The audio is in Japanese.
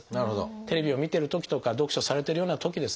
テレビを見てるときとか読書されてるようなときですね